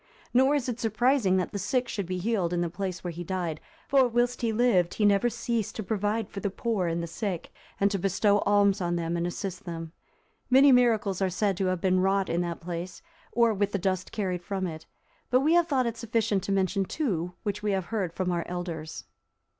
Nor is it surprising that the sick should be healed in the place where he died; for, whilst he lived, he never ceased to provide for the poor and the sick, and to bestow alms on them, and assist them. Many miracles are said to have been wrought in that place, or with the dust carried from it; but we have thought it sufficient to mention two, which we have heard from our elders.